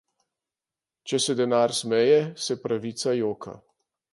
Če se denar smeje, se pravica joka.